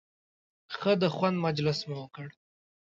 ښه د خوند مجلس مو وکړ.